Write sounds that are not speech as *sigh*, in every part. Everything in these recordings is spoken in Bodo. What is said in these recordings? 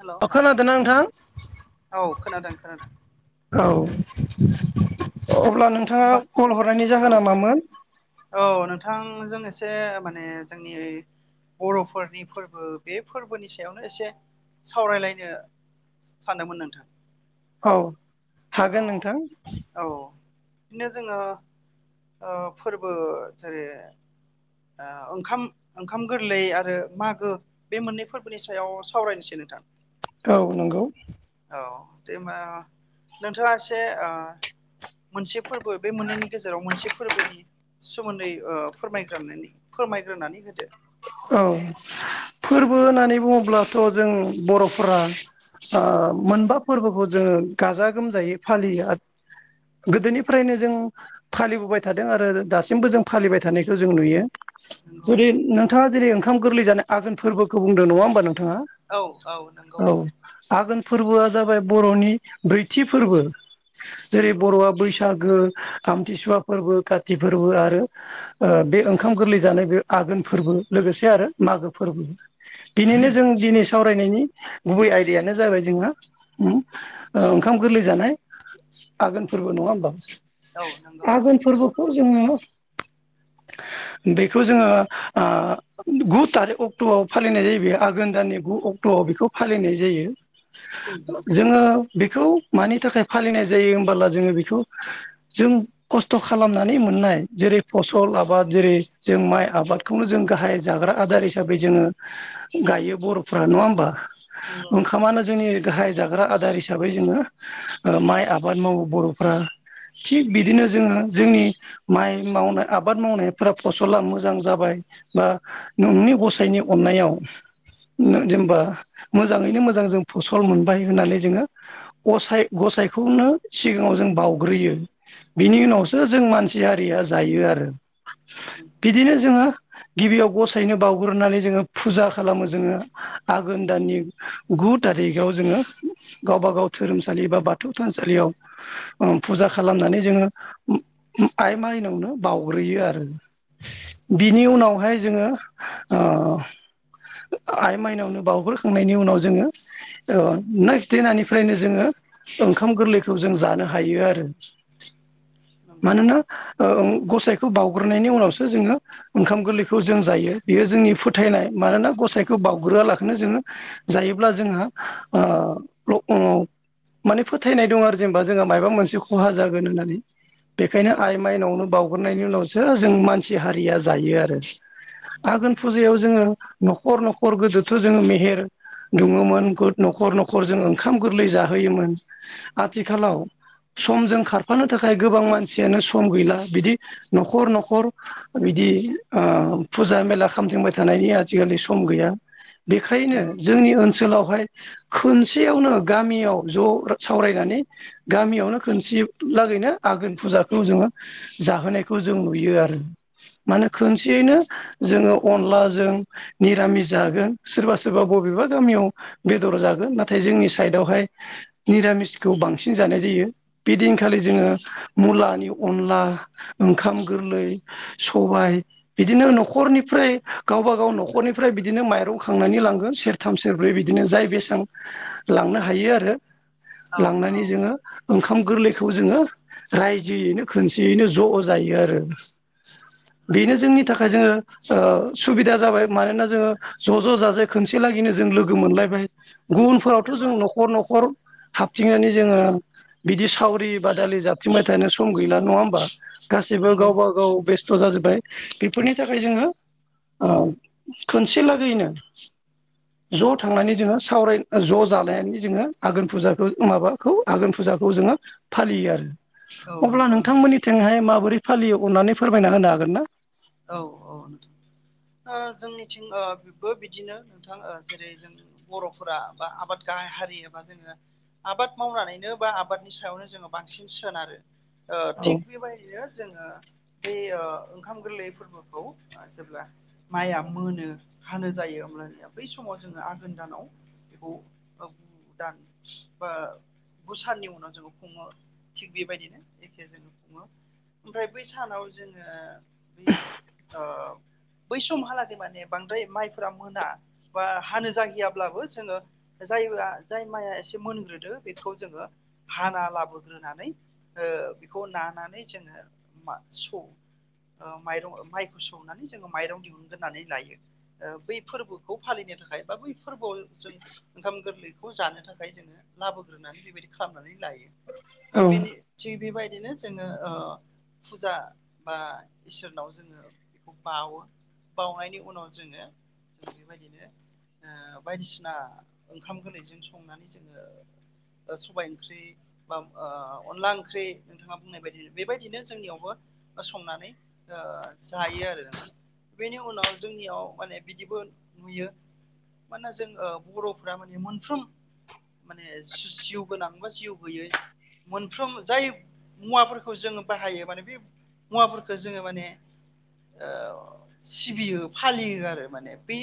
हेल' अ नोंथां खोनादोंना नोंथां? औ खोनादों खोनादों औ। अब्ला नोंथाङा होमबा कल हरनायनि जाहोना मामोन? बिथांजों एसे माने जोंनि बर'फोरनि फोरबो बे फोरबोनि सायावनो एसे सावरायलायनो सानदोमोन नोंथां। औ औ हागोन नोंथां। औ बिदिनो जोङो ओ फोरबो जेरै ओंखाम ओंखाम गोरलै आरो मागो बे मोननै फोरबोनि सायाव सावरायनोसै न नोंथां। औ नंगौ। औ दे होनबा नोंथाङा एसे ओ मोनसे फोरबो बे मोननैनि गेजेराव मोनसे फोरबोनि सोमोन्दै ओ फोरमाय फोरमायग्रोनानै होदो। औ फोरबो होननानै बुङोब्लाथ' जों बर'फोरा। ओ मोनबा फोरबोखौ जोङो गाजा गोमजायै फालियो आरो गोदोनिफ्रायनो जों फालिबोबाय थादों आरो दासिमबो जों फालिबाय थानायखौ जों नुयो। नंगौ जुदि नोंथाङा जेरै ओंखाम गोरलै जानाय आघोन फोरबोखौ बुंदों नङा होमबा नों औ आगोन। फोरबोआ जाबाय बर'नि ब्रैथि फोरबो जेरै नंगौ औ बर'आ नंगौ बैसागो। आमथिसुवा फोरबो काति फोरबो आरो ओ बे ओंखाम गोरलै जानाय बे आघोन फोरबो। लोगोसे आरो मागो फोरबो बिनिनो जों दिनै सावरायनायनि गुबै आयदायानो जाबाय जो जोङा उम ओंखाम गोरलै जानाय। आघोन फोरबो नङा होमबा नंगौ आघोन फोरबोखौ। खौ जोङो बेखौ जोङो आ। गु थारिख अक्ट'आव फालिनाय जायो बे आघोन दाननि गु अक्ट'आव बेखौ फालिनाय जायो। जोङो। बेखौ मानि थाखाय फालिनाय जायो होमबोला जोङो बेखौ जों खस्थ' खालामनानै मोन नाय जेरै फसल आबाद जेरै जों माइ आबादखौनो जों गाहाय। जाग्रा आदार हिसाबै जोङो गायो बर'फ्रा नङा होमबा। नंगौ ओंखामानो जोंनि। गाहाय जाग्रा आदार हिसाबै जोङो माइ आबाद मावो बर'फ्रा। थिग बिदिनो जोङो जोंनि माइ मावनाय आबाद मावनायफोरा फसला मोजां जाबाय। बा नोंनि गसाइनि अननायाव। जेनेबा मोजाङैनो मोजां जों फसल मोनबाय होननानै जोङो। गसाय गसाइखौनो सिगाङाव जों बाउग्रोयो बिनि उनावसो जों मानसि हारिया। जायो आरो बिदिनो जोङो। गिबियाव गसायनो बावग्रोनानै जोङो फुजा खालामो जोङो आघोन दाननि। गु थारिखाव जोङो। गावबाागाव धोरोमसालि एबा बाथौ थानसालियाव फुजा खालामनानै जोङो। आइ माइनावनो बाउग्रोयो आरो बिनि उनावहाय। जोङो ओ आइ माइनावनो बाउग्रोखांनायनि उनाव जोङो। *inaudible* अ नेक्स दिनानिफ्रायनो जोङो ओंखाम गोरलैखौ जों जानो हायो आरो। मानोना नंगौ ओ गसाइखौ बाउग्रोनायनि उनावसो जोङो ओंखाम गोरलैखौ। खौ जों जायो बेयो जोंनि फोथायनाय मानोना गसाइखौ बावउग्रोआलाखिनो जोङो जायोब्ला जोंहा। आ *unintelligible* माने फोथायनाय दं आरो जेनेबा जोंहा मायबा मोनसे खहा जागोन होननानै। बेखायनो औ आइ माइनावनो बावग्रोनायनि उनावसो जों मानसि हारिया जायो आरो। आघोन फुजायाव जोङो न'खर न'खर गोदोथ' जोङो मेहेर। दुङोमोन न'खर न'खर। खरजों ओंखाम गोरलै जाहोयोमोन आथिखालाव समजों खार फानो थाखाय गोबां मानसियानो सम गैला बिदि न'खर न'खर बिदि आ फुजा मेला खामथिंबाय थानायनि आजिखालि सम गैया बेखायनो नंगौ जोंनि ओनसोलाव बेवहाय खोनसेयावनो गामियाव ज' सावरायनानै गामियावनो खोनसे लागैनो आघोन फुजाखौ जोङो जाहोनायखौ जों नुयो आरो मानो खोनसेयैनो जोङो अनलाजों निरामिस जागोन सोरबा सोरबा बबेबा गामियाव बेद दर जागोन नाथाय जोंनि साइदावहाय निरामिसखौ बांसिन जानाय जायो बेदिनखालि जोङो मुलानि अनला ओंखाम गोरलै सबाइ बिदिनो नख खरनिफ्राय गावबा गाव न'खरनिफ्राय बिदिनो माइरं खांनानै लांगोन सेरथाम सेरब्रै बिदिनो जाय बेस सां लांनो हायो आरो औ औ लांनानै जोङो ओं खाम गोरलैखौ जोङो रायजोयैनो खोनसेयैनो ज' जायो आरो बेनो नंगौ जोंनि थाखाय जोङो ओ सुबिदा जाबाय मानोना जोङो ज' ज' जाजाय खोनसे लागैनो जों लोगो मोन लायबाय। गुबुन फोरावथ' नंगौ जों न'खर न'खर हाबथिं नानै जोङो बिदि सावरि बादालि जााबथिं बाय थानो सम गैला नङा होमबा? गासिबो नंगौ गावबा गाव बेस्थ' जाजोबबाय बेफोरनि थाख खाय जोङो ओ खोनसे लागैनो ज' थांनानै जोङो सावराय ज' जानायानो जोङो आघोन फुजाखौ माबाखौ आघोन फुजा खौ जोङो फालियो आरो। औ अब्ला नंगौ नोंथां मोननि थिंहाय माबोरै फालियो अननानै फोरमायना होनो हागोन ना? अ ओ जोंनिथिं ओ बिबो बिदिनो नोंथां ओ जेरै जों बर'फोरा बा आबाद गा हाय हारि एबा जोङो आबाद मावनानैनो बा आबादनि सायावनो जोङो बांसिन सोनारो। ओ थिग औ बेबायदिनो जोङो बे ओ ओंखाम गोरलै फोरबोखौ ओ जेब्ला माइआ मोनो हानो जायो अब्लानिया बै समाव जोङो आघोन दानाव बेखौ ओ गु दान बा गुसाननि उनाव जोङो खुङो थिग बेबायदिनो एखे जोङो खुङो। ओमफ्राय बै सानाव जोङो बै ओ बै समहालागै माने बांद्राय माइफोरा मोना बा हानो जाहैया ब्लाबो जोङो जायबा जाय माइआ एसे मोनग्रोदो बेखौ जोङो हाना लाबो ग्रोनानै ओ बेखौ नानानै जोङो मा सौ ओ माइरं माइखौ सौनानै जोङो माइरं दिहुन ग्रोनानै लायो ओ बै फोरबोखौ फालिनो थाखाय बा बै फोरबो आव *unintelligible* जोंङो ओंखाम गोरलैखौ जानो थाखाय जोंङो लाबोग्रोनानै बेबायदि खालामनानै लायो। आ बेनि थि बिबाय दिनो जोङो ओ फुजा बा इसोरनाव जोङो बेखौ बाउवो बावनायनि उनाव जोङो जों बेबायदिनो ओ बायदि सिना ओंखाम गोरलैजों संनानै जोङो ओ सबाइ ओंख्रि बा आ अनला ओंख्रि नोंथाङा बुंनाय बायदि बेबायदिनो जोंनि यावबो ओ संनानै ओ जायो आरो नोंथां बेनि उनाव जोंनि याव माने बिदिबो नुयो मानोना जों ओ बर'फोरा माने मोनफ्रोम माने जि जिउ गोनां बा जिउ गैयै मोनफ्रोम जाय मुवा फोरखौ जोङो बाहायो माने बे मुवा फोरखो जोङो माने ओ सिबियो फालियो आरो माने बि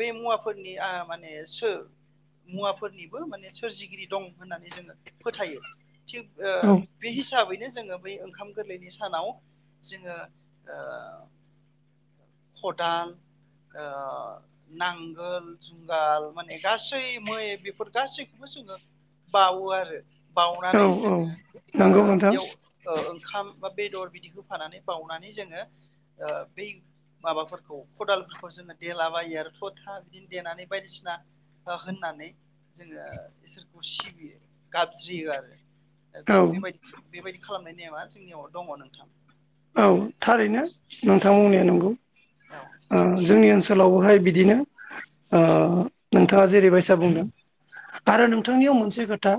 बे मुवा फोरनि आ माने सो मुवा फोरनिबो माने सोरजिगिरि दं होननानै जोङो फोथायो थिग ओ औ बि हिसाबैनो जोङो बै ओंखाम गोरलैनि सानाव जोङो ओ खदाल ओ नांगोल, जुंगाल माने गासै मै बेफोर गासै खौबो जोङो बावो आरो। औ बावनानै औ जोङो ओ नंगौ नोंथां बेयाव ओ ओंखाम बा बेदर बिदि होफानानै बावनानै जोङो ओ बै माबा फोरखौ खदाल फोरखौ जोङो देलाबायो आरो थ' था बिदिनो देनानै बायदिसिना होननानै जोङो इसोरखौ सिबियो गाबज्रियो आरो। औ थिग बेबायदि बेबायदि खालामनायनि नेमा जोंनियाव दङ नोंथां। औ थारैनो नोंथां बुंनाया नंगौ औ ओ जोंनि ओनसो लावहाय बिदिनो ओ नोंथाङा जेरैबायसा बुंदों आरो नोंथांनियाव मोनसे खोथा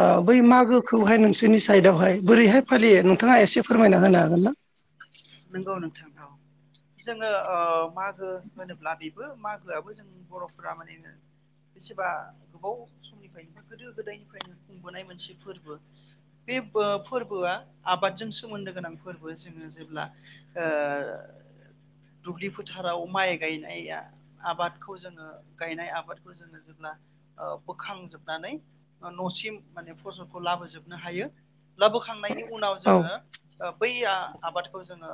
ओ औ बै मागो खौहाय नोंसोरनि साइड आवहाय बोरैहाय फालियो नोंथाङा एसे फोरमायना होनो हागोन ना? *inaudible* नोंगौ नोंथां औ। जोङो ओ मागो होनोब्ला बेबो मागोआबो जों बर'फोरा माने बेसेबा गोबाव समनिफ्रायनो बा गोदो गोदायनिफ्रायनो खुंबोनाय मोनसे फोर्बो बे फोर्बोआ आबादजों सोमोन्दो गोनां फोर्बो जोङो जेब्ला ओ दुब्लि फोथाराव माइ गायनाया आबादखौ जोङो गायनाय आबादखौ जोङो जों ओ बोखांजोबनानै ओ न'सिम माने फसलखौ लाबोजोबनो हायो लाबोखांनायनि उनाव औ जोङो ओ बै आबादखौ जोङो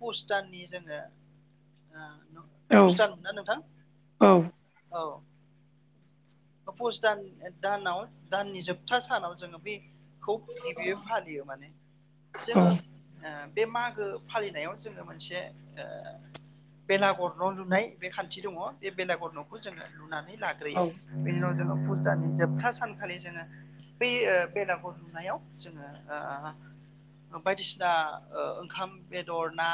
पुस दाननि जोङो औ पुस दान ना नोंथां औ औ। पुस दान दानाव दाननि जोबथा सानाव जोङो बे खौ गिबियै फालियो माने जोङो ओ बे मागो फालिनायाव जोङो मोनसे ओ बेलागर न' लुनाय बे खान्थि दङ बे बेलागर न'खौ जोङो लुनानै लाग्रोयो औ बेनि उनाव जों जोङो फुजानि जोबथा सानखालि जोङो बै बेलागुर हुनायाव जोङो आ बायदिसिना ओ ओंखाम बेदर ना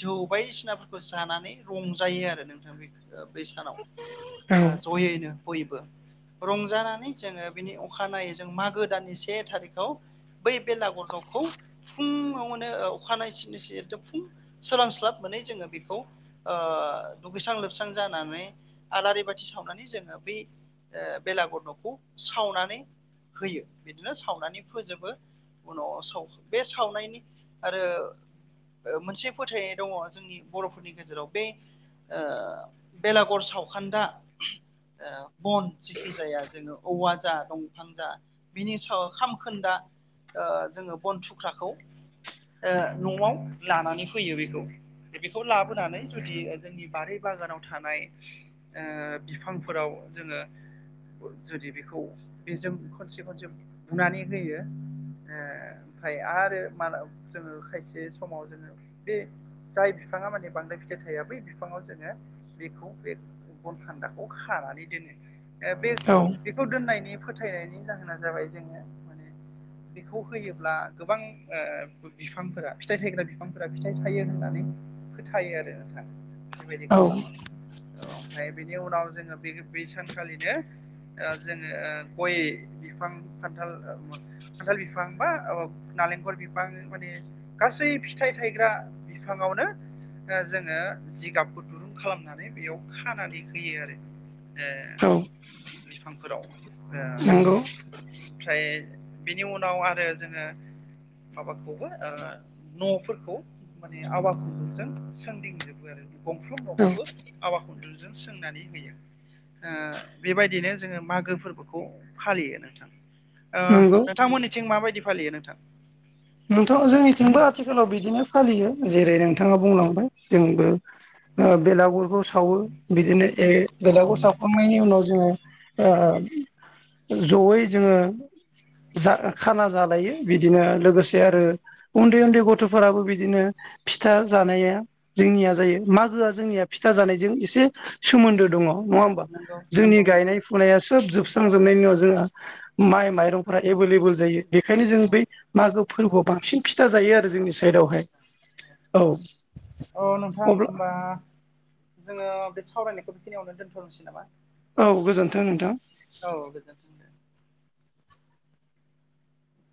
जौ बायदिसिनाफोरखौ जानानै रंजायो आरो नोंथां बे बै सानाव औ जयैनो बयबो। रंजानानै जोङो बिनि अखानायै जों मागो दाननि से थारिखआव बै बेलागर न'खौ फुङावनोे अखानाय सिनिसि एकदम फुं सोलांस्लाब मोनै जोङो बेखौ ओ दुगैस्रां लोबस्रां जानानै आलारि बाथि सावनानै जोङो बे बेलागुर न'खौ सावनानै होयो बिदिनो सावनानै फोजोबो। उनाव साव बे सावनायनि आरो मोनसे फोथायनाय दङ जोंनि बर'फोरनि गेजेराव बे ओ बेलागर सावखान्दा ओ बन जिखि जाया जोङो औवा जा दंफां जा बिनि साव खामखोन्दा ओ जोङो बन थुख्राखौ न'आव लानानै फैयो बेखौ। बेखौ लाबोनानै जुदि जोंनि बारि बागानाव थानाय ओ बिफांफोराव जोङो जुदि बेखौ बेजों खनसे खनसे बुनानै होयो ओ ओमफाय आरो माना जोङो खायसे समाव जोङो बे जाय बिफाङा माने बांद्राय फिथाइ थाया बै फिफाङाव जोङो बेखौ बे गन खान्दाखौ खानानै दोनो। बे औ बेखौ दोननायनि फोथायनायनि जाहोना जाबाय जोङो माने बेखौ होयोब्ला गोबां ओ बिफांफोरा फिथाइ थायग्रा बिफांफोरा फिथाइ थायो होननानै फोथायो आरो नोंथा बेबायदि औ खालामो अ ओमफाय बेनि उनाव जोङो बे बे सानखालिनो ओ जोङो गय बिफां खान्थाल खान्थाल बिफां बा नालेंखल बिफां माने गासै फिथाइ थायग्रा बिफाङावनो ओ जोङो जिगाबखौ दुरुं खालामनानै बेयाव खानानै होयो आरो। ओ औ बिफांफोराव ओ नंगौ। ओमफ्राय बेनि उनाव आरो जोङो माबाखौबो ओ न'फोरखौ माने आवा खुनदुजों सोंदिंजोबो आरो। गंफ्रोम न'खौबो आवा खुन्दुंजों सोंनानै होयो। ओ बेबायदिनो जोङो मागो फोरबोखौ फालियो नोंथां ओ नंगौ नोंथांमोननिथिं माबायदि फालियो नोंथां? नोंथां जोंनिथिंबो आथिखालाव बिदिनो फालियो जेरै नोंथाङा बुंलांबाय जोंबो ओ बेलागुरखौ सावो बिदिनो ए बेलागुर सावखांनायनि उनाव जोङो ओ जयै जोङो जा खाना जालायो बिदिनो लोगोसे जे आरो उन्दै उन्दै गथ'फोराबो बिदिनो फिथा जानाया जोंनिया जायो माग गोआ जोंनिया फिथा जानायजों एसे सोमोन्दो दङ नङा होमबा? नंगौ जोंनि नंगौ गायनाय नंगौ फुनाया सोब जोबस्रां जोबनायनि उनाव जोंहा माय मायरंफोरा एभेलेबेल जायो बेनिखायनो जों बै मागो फोरबोआव बांसिन फिथा जायो आरो जोंनि साइदआवहाय। औ। अ नोंथां अब्ला होमबा जोङो बे सावरायनायखौ बेखिनियावनो दोनथ'नोसै नामा? औ गोजोन्थों नोंथां। औ गोजोनथों दे।